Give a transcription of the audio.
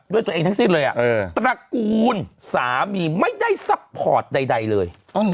ด้วยตัวเองทั้งสิ้นเลยตระกูลสามีไม่ได้ซัพพอร์ตใดเลย